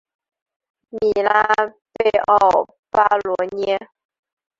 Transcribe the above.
米拉贝奥巴罗涅。